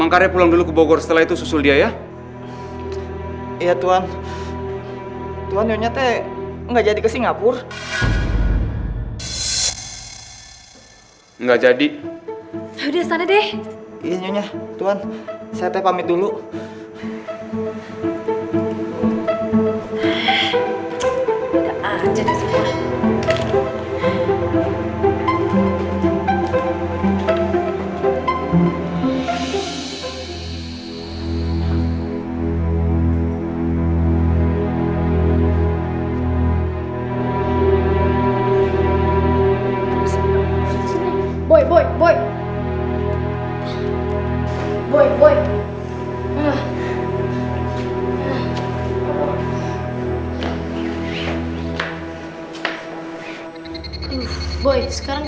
kita tinggal hidup aja